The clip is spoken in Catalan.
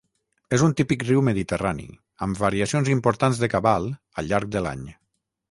És un típic riu mediterrani, amb variacions importants de cabal al llarg de l'any.